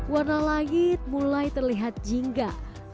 warna langit mulai terlihat jingga